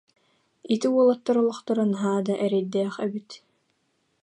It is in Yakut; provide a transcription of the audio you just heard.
Ити уолаттар олохторо наһаа да эрэйдээх эбит